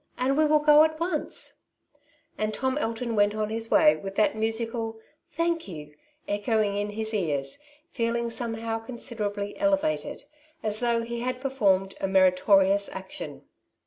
and we will go at once/' And Tom Alton went on his way with that musical " thank you " echoing in his ears, feeling somehow considerably elevated, as though he had performed a meritorious action.